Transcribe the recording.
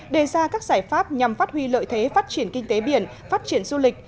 đề ra các giải pháp nhằm phát huy lợi thế phát triển kinh tế biển phát triển du lịch